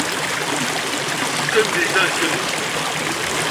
Teqqim deg terkent.